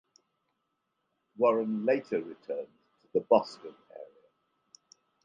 Warren later returned to the Boston area.